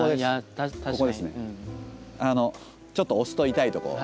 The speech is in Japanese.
ちょっと押すと痛いとこ。